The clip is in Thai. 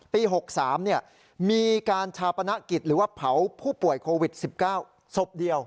ปี๖๓มีการชาปนกิจหรือว่าเผาผู้ป่วยโควิด๑๙ศพเดียว